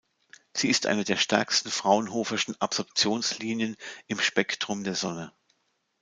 Sie ist eine der stärksten Fraunhofer’schen Absorptionslinien im Spektrum der Sonne.